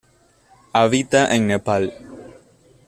Habita en Nepal.